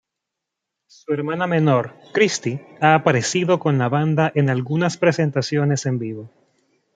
Su hermana menor Christie ha aparecido con la banda en algunas presentaciones en vivo.